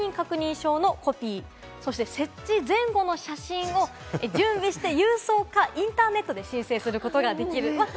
証のコピー、そして設置前後の写真を準備して郵送かインターネットで申請することができれば。